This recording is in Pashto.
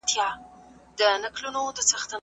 د دې مبارکې ورځي